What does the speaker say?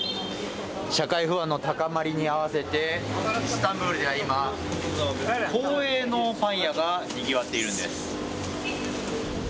社会不安の高まりに合わせてイスタンブールでは今、公営のパン屋がにぎわっているんです。